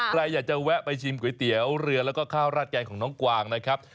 ใครอยากจะแวะไปชิมก๋วยเตี๋ยวเรือแล้วก็ข้าวราดแกงของน้องกวางนะครับ